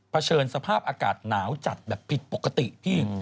เฉินสภาพอากาศหนาวจัดแบบผิดปกติพี่